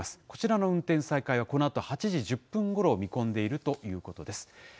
こちらの運転再開は、このあと８時１０分ごろを見込んでいるということです。